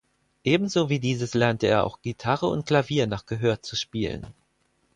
Ebenso wie dieses lernte er auch Gitarre und Klavier nach Gehör zu spielen.